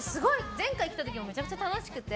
前回来た時もめちゃくちゃ楽しくて。